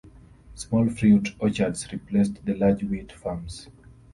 Small fruit orchards replaced the large wheat farms.